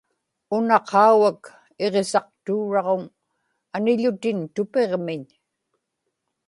una qaugak iġisaqtuuraġuŋ aniḷutin tupiġmiñ